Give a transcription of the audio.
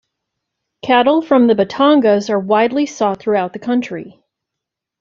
Cattle from Batangas are widely sought throughout the country.